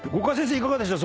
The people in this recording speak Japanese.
いかがでしょう？